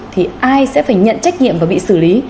thì ai sẽ phải nhận trách nhiệm và bị xử lý